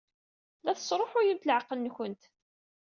La tesṛuḥuyemt leɛqel-nwent.